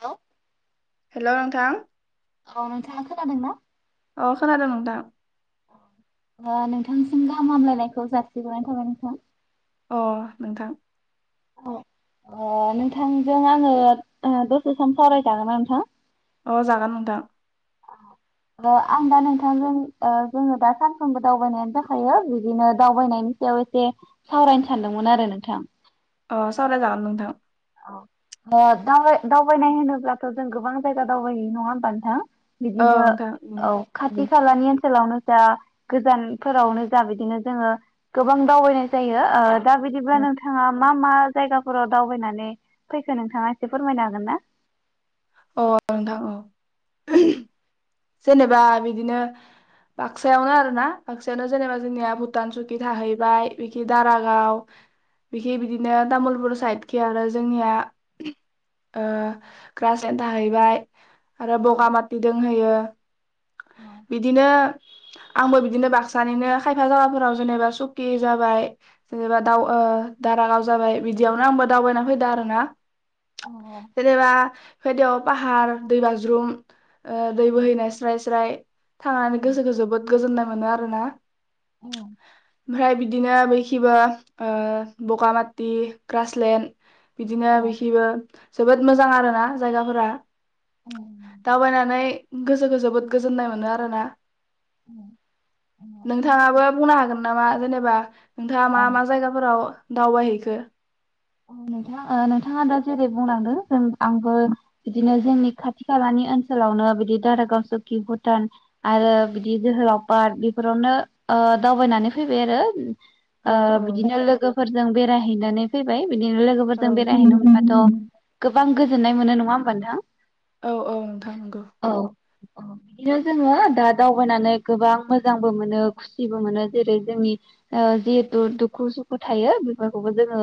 हेल'। Hello नोंथां। औ नोंथाङा खोनादों ना? अ खोनादों नोंथां। अ नोंथांसिम गाहाम हालायनायखौ जासि हरग्रोनाय थाबाय नोंथां। अ नोंथां औ ओ नोंथांजों आङो ओ दसे सम सावराय जागोनना नोंथां? अ जागोन नोंथां। ओ‌ आं दा नोंथांजों ओ जोङो दा सानफ्रोमबो दावबायनायानो जाखायो बिदिनो दावबायनायनि सायाव एसे सावरायनो सानदोंमोन आरो नोंथां। अ सावराय जागोन नोंथां। ओ दावबाय-दावबायनाय होनोब्लाथ' जों गोबां जायगा दावबाय हैयो नङा होमबा नोंथां? औ बिदिनो नोंथां औ खाथि-खालानि ओनसोलावनो जा गोजानफोरावनो जा बिदिनो जोङो गोबां दावबायनाय जायो ओ दा बिदिब्ला अ नोंथाङा मा मा जायगाफोराव दावबायनानै फैखो नोंथाङा एसे फोरमायनो हागोन ना? अ नोंथां औ। औ जेनेबा बिदिनो बाक्सायावनो आरो ना बाक्सायावनो जेनेबा जोंनिया भुटान, सुकि थाहैबाय बिखि दारागाव बिखि बिदिनो तामलपुर साइडखि आरो जोंनिया ओ ग्रास लेण्ड थाहैबाय। आरो बगामाथि दोंहोयो। औ [inaudible] बिदिनो आंबो बिदिनो बाक्सानिनो खायफा जागाफोराव जेनेबा सुकि जाबाय जेनेबा दाउ ओ दारागाव जाबाय बिदियावनो आंबो दावबायनानै फैदो आरो ना। जेनेबा [unintelligible] पाहार, दै बाज्रुम ओ दै औ औ बोहैनाय स्राइ स्राइ थांनानै गोसोखो जोबोद गोजोननाय मोनो‌ आरो ना औ ओमफ्राय बिदिनो बैखिबो ओ‌ बगामाथि, ग्रासलेण्ड बिदिनो बैखिबो जोबोद मोजां आरो ना जायगाफोरा। दावबायनानै गोसोखौ जोबोद गोजोननाय मोनो आरोना। नोंथाङाबो बुंनो हागोन नामा जेनेबा नोंथाङा मा मा जायगाफोराव दावबायहैखो? नोंथाङा ओ नोंथाङा दा जेरै बुंलांदों जों आंबो बिदिनो जोंनि खाथि खालानि ओनसोलावनो बिदि दारागाव, सुकि, भुटान आरो बिदि जोहोलाव पार्क बेफोरावनो ओह दावबायनानै फैबाय आरो। औ औ ओ बिदिनो लोगोफोरजों बेराय हैनानानै फै बिदिनो औ लोगोफोरजों बेरायहैनो मोनबाथ' गोबां गोजोननाय मोनो नङा होमबा नोंथां? औ औ नोंथां नोंगौ। अ बिदिनो जोङो दा दावबायनानै गोबां मोजांबो मोनो खुसिबो मोनो जेरै जोंनि ओ जिहेथु दुखु सुखु थायो बेफोरखौबो जोङो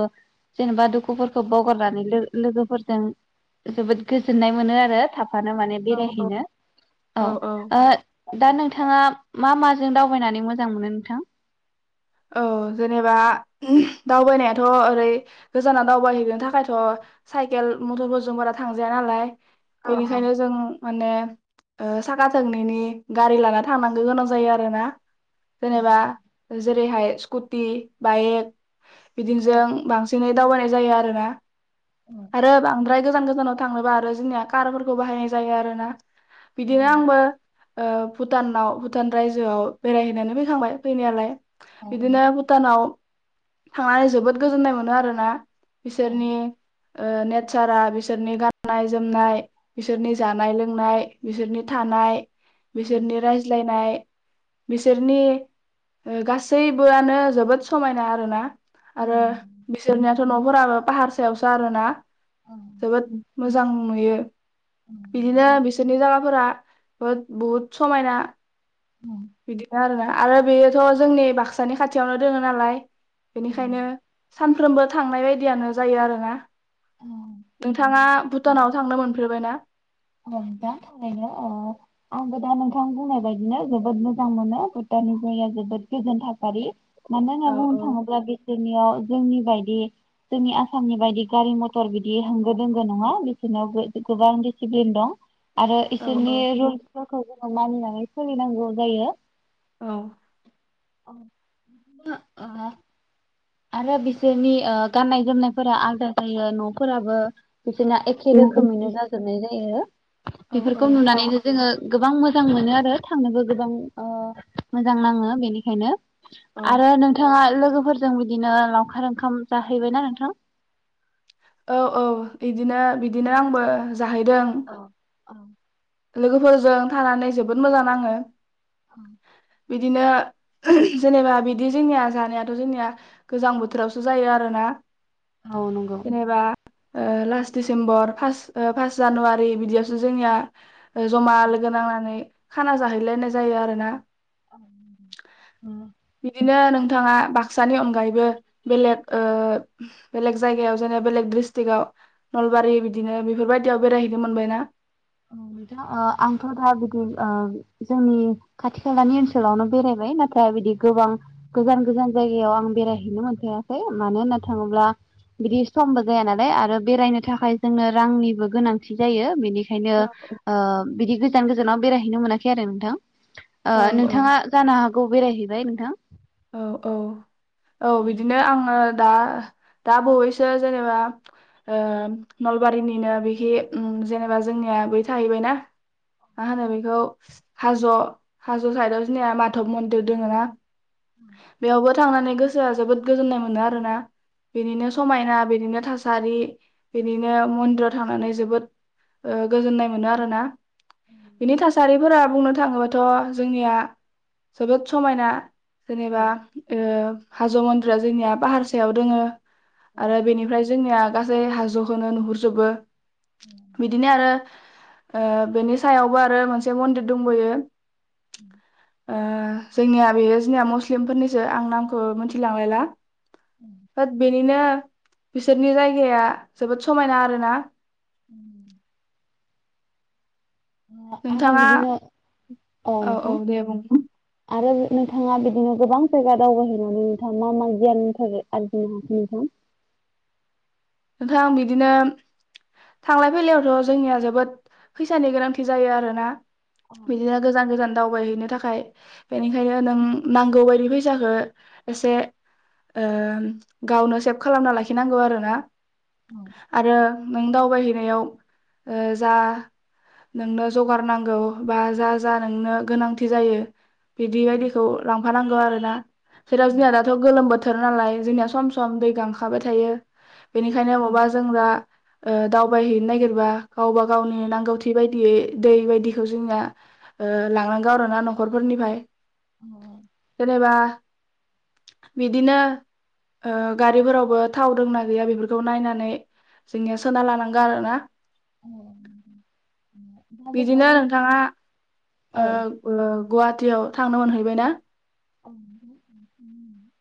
जेनेबा दुखुफोरखौ बावगारनानै लोगो लोगोफोरजों जोबोद गोजोननाय मोनो आरो थाब माने औ औ बेरायहैनो। औ ओ दा नोंथाङा मा माजों दावबायनानै मोजां मोनो नोंथां? औ जेनेबा दावबायनायाथ' ओरै गोजानाव दावबायहैनो थाखायथ' साइकेल, मटरफोरजों बारा थांजाया नालाय। बेनिखायनो जों माने साखा थोंनैनि गारि लाना थांनांगो गोनां जायो आरोना। जेनेबा जेरैहाय स्कुटि, बाइक बिदिजों बांसिनै दावबायनाय जायो आरोना। आरो बांद्राय गोजान गोजानाव थांनोबा आरो जोंनिया कारफोरखौ बाहायनाय जायो आरोना। बिदिनो आंबो ओ भुटानाव भुटान रायजोआव बेरायहैनानै फैखांबाय फैनायालाय। बिदिनो भुटानाव थांनानै जोबोद गोजोननाय मोनो आरोना। बिसोरनि ओ नेचारा, बिसोरनि गाननाय जोमनाय, बिसोरनि जानाय लोंनाय, बिसोरनि थानाय, बिसोरनि रायज्लायनाय बिसोरनि ओ गासै गासैबोआनो जोबोद समायना आरो ना। आरो बिसोरनियाथ' न' फोराबो पाहार सायावसो आरोना। जोबोद मोजां नुयो। बिदिनो बिसोरनि जागाफोर फोरा बो बुहुद समायना। बिदिनो आरोना आरो बेयोथ' जोंनि बाक्सानि खाथियावनो दोङो नालाय। बेनिखायनो सान फ्रोमबो थांनाय बायदियानो जायो आरो ना। नोंथाङा भुटानाव थांनो मोन फेरबायना? [unintelligible] ओ आंबो दा नोंथां बुंनाय बायदिनो जोबोद मोजां मोनो भुटाननि जायगाया जोबोद गोजोन थासारि। मानो होनना औ बुंनो थाङोब्ला बिसोरनियाव जोंनि बायदि जोंनि आसामनि बायदि गारि मटर बिदि होंगो दोंगो नङा बिसोरनियाव गो गोबां डि सिप्लिन दं। आरो औ इसोरनि रुलसफोरखौ मानिनानै सोलिनांगौ जायो। औ [unintelligible] आरो बिसोरनि ओ गाननाय जोमनायफोरा आलदा जायो न'फोराबो बिसोरना एखे औ रोखोमैनो जाजोबनाय जायो। बेफोरखौ औ नुनानैनो जोङो गोबां मोजां मोनो आरो थांनोबो गोबां ओ मोजां नाङो बेनिखायनो। औ आरो नोंथाङा लो‌ लोगोफोर जों बिदिनो लावखार ओंखाम जाहैबायना नोंथां? औ औ बिदिनो बिदिनो आंबो जाहैदों। औ लोगोफोरजों थानानै जोबोद मोजां नाङो। औ बिदिनो जेनेबा बिदि जोंनिया जानायाथ' जोंनिया गोजां बोथोरावसो जायो आरोना। औ नंगौ। जेनेबा ओ last December first first January बिदियावसो जोंनिया जमा लोगो नांनानै खाना जाहैलायनाय जायो आरो ना बिदिनो [unintelligible] नोंथाङा बाक्सानि अनगायैबो बेलेग ओ बेलेग जायगायाव जेनेबा बेलेग डिस्ट्रिकआव नलबारि बिदिनो बेफोरबायदियाव बेरायहैनो मोनबायना? औ नोंथां आंथ' दा बिदि ओ जोंनि खाथि खालानि ओनसोलावनो बेरायबाय नाथाय बिदि गोबां गोजान गोजान जायगायाव आं बेरायहैनो मोनफेराखै मानो होनना थाङोब्ला बिदि समबो जाया नालाय आरो बेरायनो थाखाय जोंनो रांनिबो गोनांथि जायो बेनि खायनो औ ओ बिदि गोजान गोजानाव बेरायहैनो मोनाखै आरो नोंथां। ओ औ नोंथाङा जानो हागौ औ बेराय हैबाय नोंथां औ औ औ बिदिनो आंङो दा दा बावैसो जेनेबा ओ नलबारिनिनो बिखि ओम जेनेबा जोंनिया बै थाहैबायना मा होनो बेखौ हाज' हाज' साइदआव जोंनिया मधब मन्दिर दोङोना बेयावबो थांनानै गोसोआ जोबोद गोजोननाय मोनो आरोना बेनिनो समायना बेनिनो थास सारि बिदिनो मन्दिराव थांनानै जोबोद ओ गोजोननाय मोनो आरोना बिनि थासारिफोरा बुंनो नो थाङोबाथ' जोंनिया जोबोद समायना जेनेबा ओ हाज' मन्दिरा जोंनिया पाहारसायाव दोंङो आरो बेनिफ्राय जोंनिया गासै हाजोखौनो नुहुरजोबो। बिदिनो आरो ओ बेनि सायावबो आरो मोनसे मन्दिर दंबोयो। उ ओ जोंनिया बेयो निया मुस्लिमफोरनिसो आं नामखौ मिथिलांलायला होत बेनिनो बिसोरनि जायगाया जोबोद समायना आरो ना। उम आरो नोंथाङा बिदिनो अ औ औ नोंथां दे बुं आरो नोंथाङा बिदिनो गोबां जायगा दावबायहैनानै नोंथाङा मा मा गियाननि थाखाय आरजिनो हाखो नोंथां? नोंथां बिदिनो थांलाय फैलायावथ' जोंनिया जोबोद फैसानि गोनांथि जायो आरोना बिदिनो गोजान गोजान दावबायहैनो थाखाय बेनिखायनो नों नांगौ बायदि फैसाखौ एसे ओ गावनो सेभ खालामना लाखिनांगौ आरोना आरो नों दावबायहैनायाव ओ जा नोंनो जगार नांगौ बा जा जा नोंनो गोनांथि जायो बिदि बादिखौ लांफानांगौ आरोना जेराव जोंनिया दाथ' गोलोम बोथोर नालाय जोंनिया सम सम दै गांखाबाय थायो। बेनिखायनो बबा जों दा ओ दावबायहैनो नागिरबा गावबा गावनि नांगौथि बायदि दि दै बायदिखौ जोंना ओ लांनांगौ आरोना न'खरफोरनिफ्राय अ एबा बिदिनो ओ गारिफोरावबो थाव दोंना गैया बेफोरखौ खौ नायनानै जोंनिआव सोना लानांगोन आरोना। बिदिनो नोंथाङा औ [unintelligible] ओ ओ गवा गुवाहाटियाव थांनो मोनहैबाय ना? औ नोंथां [unintelligible]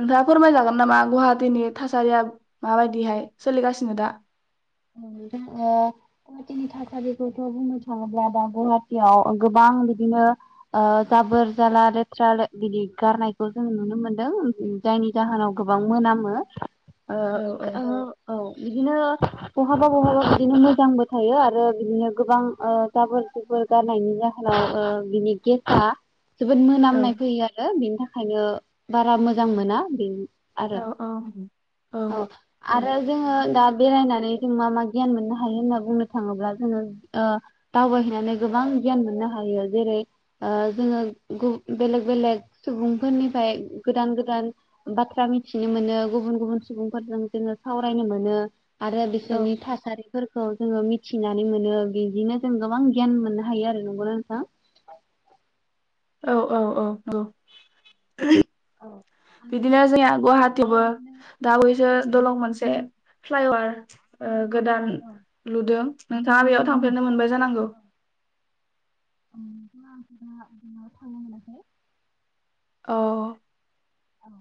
नोंथाङा फोरमायजागोन नामा गुवाहाटिनि थासारिया माबादिहाय? ओं ओं ओ गुवाहाटिनि थासारि खौथ' बुंनो थाङोब्ला दा गुवाहाटियाव गोबां बिदिनो ओ जाबोर जाला लेथ्रा बिदि गारनायखौ जों नुनो मोनदों जायनि जाहोनाव गोबां मोनामो। ओ औ औ ओहो औ। बिदिनो बहाबा बहाबा बिदिनो मोजांबो थायो आरो बिदिनो गोबां ओ जाबोर जुबोर गारनायनि जाहोनाव ओ बिनि गेस आ जोबोद औ मोनामनाय फैयो आरो बेनि थाखाय खायनो बारा मोजां मोना बि औ आरो औ औ आरो जोङो दा बेरायनानै जों मा मा मा गियान मोननो हायो होनना बुंनो थाङोब्ला जोङो ओ दावबायहैनानै गोबां गियान मोननो हायो जेरै ओ जोङो बेलेग बेलेग सुबुंफोरनिफ्राय गोदान गोदान बाथ्रा मिथिनो मोनो गुबुन गुबुन सुबुंफोरजों जोङो सावरायनो मोनो। बिदिनो आरो बिसोरनि थासारिफोरखौ जोङो मि थिनानै मोनो बिदिनो जों गोबां गियान मोननो हायो आरो नंगौना नोंथां। औ औ औ औ बिदिनो जोंनिया गुवाहाटियावबो दा बावैसो दलं मोनसे फ्लायअभार ओ गोदान लुदों। नोंथाङा बेयाव थांफेरनो मोनबाय? जानांगौ औ नोंथां आंथ [inaudible] थांनो मोनाखै औ औ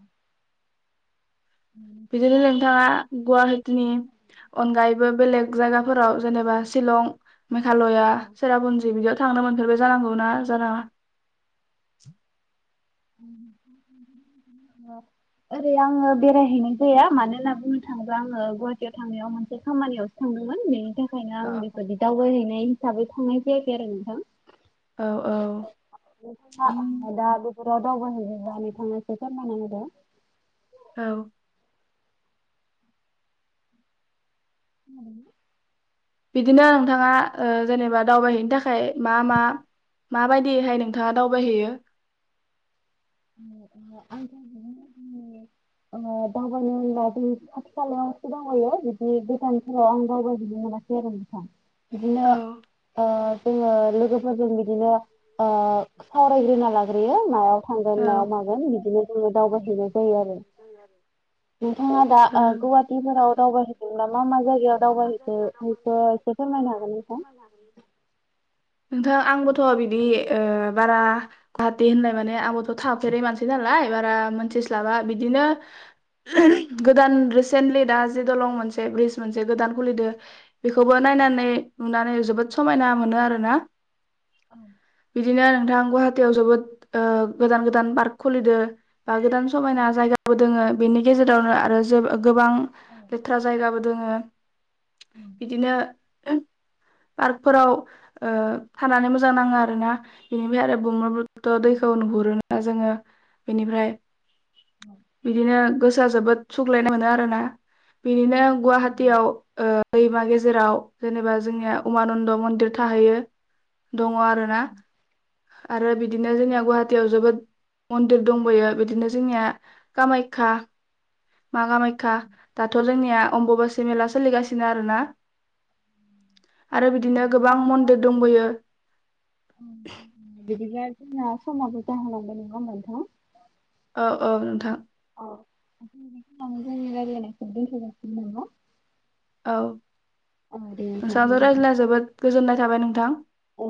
बिदिनो नोंथाङा गुवाहाटिनि अनगायैबो बेलेग जायगाफोराव जेनेबा शिलं मेघालया सेरापुन्जि बिदियाव थांनो मोनफेरबाय जानांगौ ना जानाङा ओरै आङो बेरायहैनाय जाया मानो होनना बुंनो थाङोब्ला आङो गुवाहाटियाव थांनायाव मोनसे खामानियावसो थांदोंमोन बेनि थाखाय खायनो आं बेखौदि दावबायहैनाय हिसाबै थांनाय जायाखै आरो नोंथां। औ औ औ [unintelligible] बबाव दावबायहैनो जानो थांनायखो फोरमायनानै हो। औ। [unintelligible] बिदिनो नोंथाङा ओ। जेनेबा दावबायहैनो थाखाय मा मा। माबायदिहाय नोंथाङा दावबायहैयो [unintelligible] आंङो दावबायनो होनब्ला जों खाथि खालायावसो दावबायो ओमफाय गोजानफोराव आं दावबायहैनो मोनासै आरो नोंथां बिदिनो औ ओ जोंङो लोगो फोरजों बिदिनो ओ सावरायग्रोना लाग्रोयो मायाव थांगोन औ मायाव मागोन बिदिनो जोंङो दावबायहैनाय जायो आरो नोंथाङा दा ओ गुवाहाटिफोराव दावबायहैदोंब्ला मा मा जायगायाव दावबायहैखो इखो एसे फोरमायनो हागोन नोंथां नोंथां आंबो थ बिदि ओ बारा गुवाहाटी होननाय माने आंबोथ थाफेरै मानसि नालाय बारा मोनथिस्लाबा बिदिनो गोदान रिसेन्टलि दा जि दलं मोनसे ब्रिज मोनसे गोदान खुलिदो बेखौबो नायनानै नुनानै जोबोद स समायना मोनो आरोना बिदिनो नोंथां गुवाहाटीयाव जोबोद ओ गोदान गोदान पार्क खुलिदो बा गोदान समायना जायगाबो दोंङो बेनि गेजेरावनो आरो जेबो गोबां लेथ्रा जायगाबो दोंङो बिदिनो [unintelligible] पार्कफोराव ओ थानानै मो जां नांङो आरो ना बेनिफाय आरो ब्रहम पुत्र दैखौ नुहुरोना जोंङो बेनिफ्राय बिदिनो गोसोआ जोबोद सुग्लायनाय मोनो आरोना बिदिनो गुवाहाटीयाव ओ दैमा गेजेराव जेनेबा जोंनिया उमानन्द मन्दिर थाहैयो दंङ आरो ना आरो बिदिनो जोंनिया गुवाहाटीयाव जोबोद मन्दिर दंबयो बिदिनो जोंनिया कामाख्या मा कामाख्या दाथ जोंनिया अम्बबासि मेला सोलिगासिनो आरो ना। मन्दिर दंबोयो [inaudible] बिदिब्ला जोंहा समाबो जाहो लांबाय नङा होमबा नोंथां। ओ ओ नोंथां। अ [unintelligible] औ। औ दे नोंथां नोंथांजों गोजोनथों। रायज्लायना जोबोद गोजोननाय थाबाय नोंथां। औ।